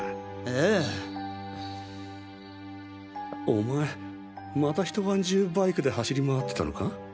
お前また一晩中バイクで走り回ってたのか？